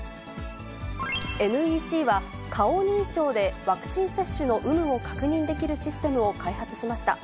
ＮＥＣは、顔認証でワクチン接種の有無を確認できるシステムを開発しました。